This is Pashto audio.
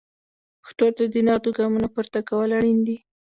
پښتو ته د نغدو ګامونو پورته کول اړین دي.